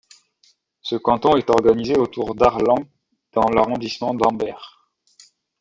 Ce canton est organisé autour d'Arlanc dans l'arrondissement d'Ambert.